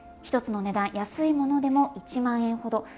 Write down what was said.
１つの値段安いものでも１万円ほど。